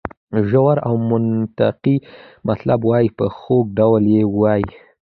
ژور او منطقي مطلب وایي په خوږ ډول یې وایي.